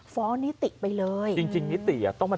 สุดทนแล้วกับเพื่อนบ้านรายนี้ที่อยู่ข้างกัน